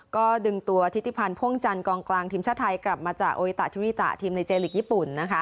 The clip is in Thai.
ก็ดึงตัวทิติพันธ์พ่วงจันทร์กองกลางทีมชาติไทยกลับมาจากโออิตาทุริตะทีมในเจลีกญี่ปุ่นนะคะ